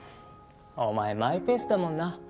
お前マイペースだもんな。